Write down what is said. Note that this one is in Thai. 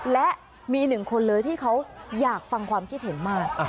และมีหนึ่งคนเลยที่เขาอยากฟังความคิดเห็นมาก